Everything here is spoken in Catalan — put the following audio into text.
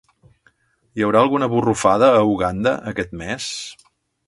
Hi haurà alguna borrufada a Uganda aquest mes?